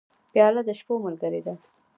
پیاله د شپو ملګرې ده.